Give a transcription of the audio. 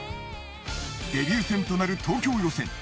デビュー戦となる東京予選